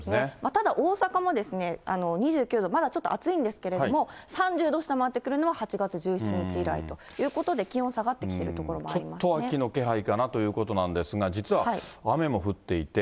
ただ大阪も２９度、まだちょっと暑いんですけども、３０度下回ってくるのは８月１７日以来ということで、気温下がっちょっと秋の気配かなということなんですけれども、実は雨も降っていて。